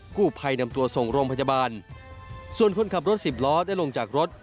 กู้ภัยนำตัวส่งโรงพยาบาลส่วนคนขับรถสิบล้อได้ลงจากรถ